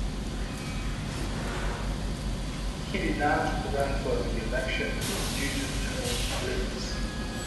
He did not run for re-election due to term limits.